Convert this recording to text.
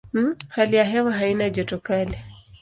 Hali ya hewa haina joto kali.